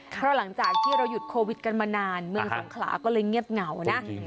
เพราะหลังจากที่เราหยุดโควิดกันมานานเมืองสงขลาก็เลยเงียบเหงานะ